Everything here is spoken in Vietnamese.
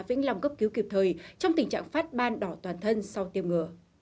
vĩnh long cấp cứu kịp thời trong tình trạng phát ban đỏ toàn thân sau tiêm ngừa